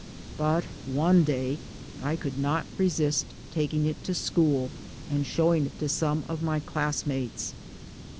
But one day I could not resist taking it to school and showing it to some of my class mates.